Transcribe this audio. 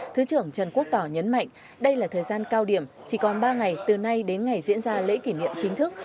thứ trưởng trần quốc tỏ nhấn mạnh đây là thời gian cao điểm chỉ còn ba ngày từ nay đến ngày diễn ra lễ kỷ niệm chính thức